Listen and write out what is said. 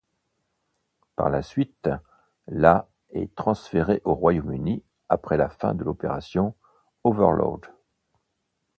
Par la suite, la est transférée au Royaume-Uni après la fin de l'opération Overlord.